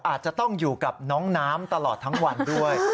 อาจจะต้องอยู่กับน้องน้ำตลอดทั้งวันด้วย